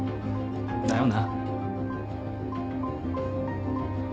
だよな。